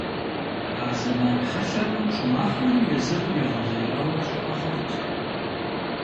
А зэман хьэлъэм щӀымахуэри езыр егъэлеяуэ щӀыӀэ хъурт.